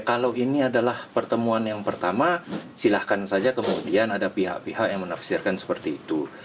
kalau ini adalah pertemuan yang pertama silahkan saja kemudian ada pihak pihak yang menafsirkan seperti itu